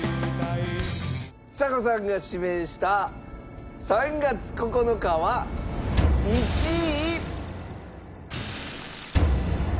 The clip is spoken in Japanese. ちさ子さんが指名した『３月９日』は１位。